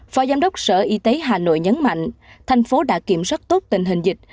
phó giám đốc sở y tế hà nội nhấn mạnh thành phố đã kiểm soát tốt tình hình dịch